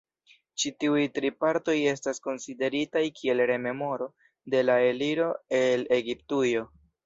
Ĉi tiuj tri partoj estas konsideritaj kiel rememoro de la eliro el Egiptujo.